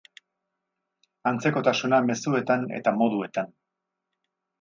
Antzekotasuna mezuetan eta moduetan.